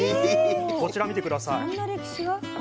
こちら見て下さい。